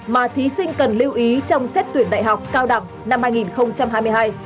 mà thí sinh cần lưu ý trong xét tuyển đại học cao đẳng năm hai nghìn hai mươi hai